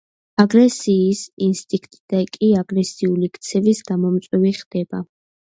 აგრესიის ინსტინქტი კი აგრესიული ქცევის გამომწვევი ხდება.